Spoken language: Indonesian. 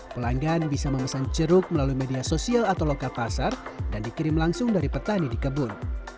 pelanggan bisa memesan jeruk melalui media sosial atau lokal pasar dan dikirim langsung dari petani di kebun